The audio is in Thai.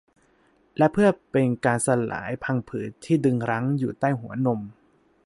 และเพื่อเป็นการสลายพังผืดที่ดึงรั้งอยู่ใต้หัวนม